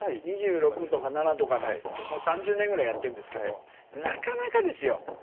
２６とか２７とかなんですけどもう３０年ぐらいやってるんですけどなかなかですよ。